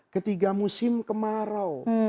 ketiga musim kemarau